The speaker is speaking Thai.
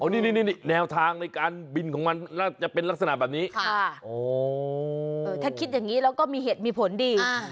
นี่แนวทางในการบินของมันน่าจะเป็นลักษณะแบบนี้ถ้าคิดอย่างนี้แล้วก็มีเหตุมีผลดี